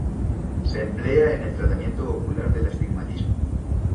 Se emplea en el tratamiento ocular del astigmatismo.